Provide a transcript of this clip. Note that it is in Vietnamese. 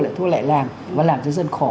lại thu lại làng và làm cho dân khổ